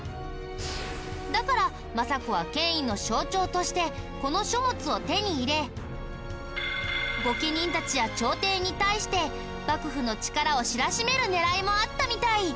だから政子は権威の象徴としてこの書物を手に入れ御家人たちや朝廷に対して幕府の力を知らしめる狙いもあったみたい。